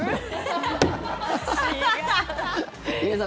違う。